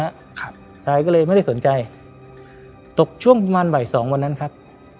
ครับชายก็เลยไม่ได้สนใจตกช่วงประมาณบ่ายสองวันนั้นครับ